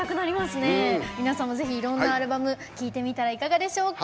皆さんもぜひいろんなアルバム聴いてみたらいかがでしょうか。